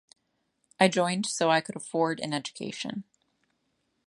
I joined so I could afford an education.